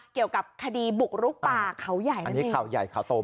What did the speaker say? เกี่ยวกับคดีบุกรุ๊ปป่าเขาใหญ่ส์